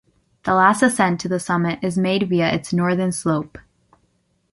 The last ascent to the summit is made via its northern slope.